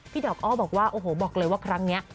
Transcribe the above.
ดอกอ้อบอกว่าโอ้โหบอกเลยว่าครั้งนี้